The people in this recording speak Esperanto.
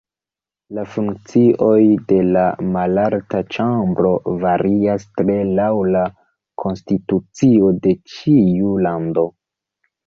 La funkcioj de la Malalta ĉambro varias tre laŭ la konstitucio de ĉiu lando.